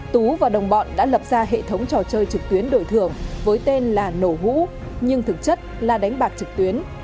tú và đồng bọn đã lập ra hệ thống trò chơi trực tuyến đổi thưởng với tên là nổ hũ nhưng thực chất là đánh bạc trực tuyến